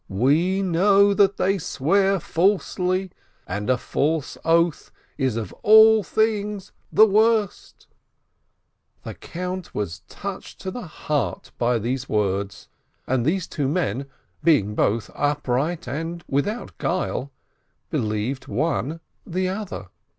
We know that they swear falsely — and a false oath is of all things the worst." The Count was touched to the heart by these words, and these two men, being both upright and without guile, believed one the other.